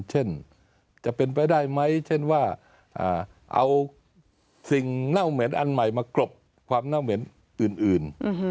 เช่นจะเป็นไปได้ไหมเช่นว่าเอาสิ่งเน่าเหม็นอันใหม่มากรบความเน่าเหม็นอื่น